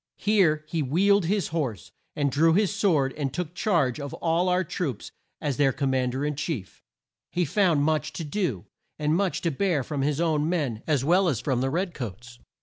Here he wheeled his horse, and drew his sword and took charge of all our troops as their Com mand er in chief. He found much to do, and much to bear from his own men as well as from the red coats.